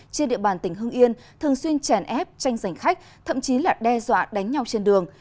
trên địa bàn tỉnh hưng yên thường xuyên chèn ép tranh giành khách thậm chí là đe dọa đánh nhau trên đường